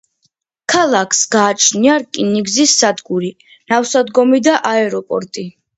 ქალაქს გააჩნია რკინიგზის სადგური, ნავსადგომი და აეროპორტი.